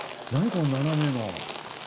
この斜めの。